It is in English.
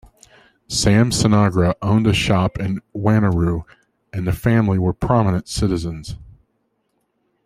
Sam Sinagra owned a shop in Wanneroo, and the family were prominent citizens.